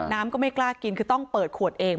น้ำก็ไม่กล้ากินคือต้องเปิดขวดเอง